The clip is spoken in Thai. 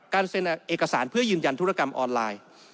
เซ็นเอกสารเพื่อยืนยันธุรกรรมออนไลน์